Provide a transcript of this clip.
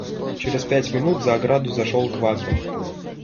Через пять минут за ограду зашел Квакин.